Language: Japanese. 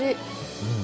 うん